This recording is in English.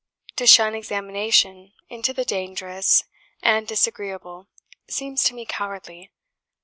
To shun examination into the dangerous and disagreeable seems to me cowardly.